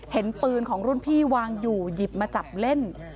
เห็นปืนของรุ่นพี่วางอยู่หยิบมาจับเล่น